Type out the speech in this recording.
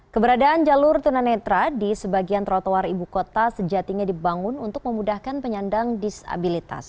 keberadaan jalur tunanetra di sebagian trotoar ibu kota sejatinya dibangun untuk memudahkan penyandang disabilitas